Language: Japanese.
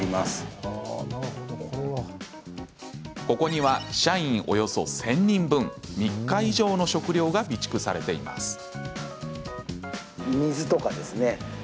ここには社員およそ１０００人分３日以上の食料が備蓄されています。